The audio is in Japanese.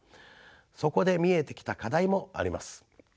そこで見えてきた課題もあります。